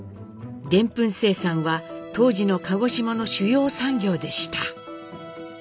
でんぷん生産は当時の鹿児島の主要産業でした。